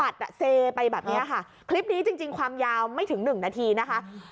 เซไปแบบเนี้ยค่ะคลิปนี้จริงความยาวไม่ถึงหนึ่งนาทีนะคะ